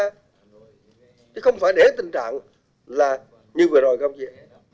thế không phải để tình trạng là như vừa rồi không chị